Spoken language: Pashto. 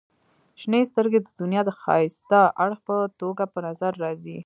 • شنې سترګې د دنیا د ښایسته اړخ په توګه په نظر راځي.